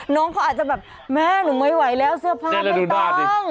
น้องเขาอาจจะแบบแม่หนูไม่ไหวแล้วเสื้อผ้าไม่ต้อง